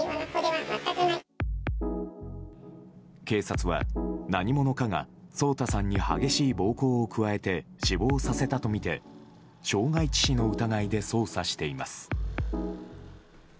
警察は、何者かが颯太さんに激しい暴行を加えて死亡させたとみて傷害致死の疑いで捜査しています。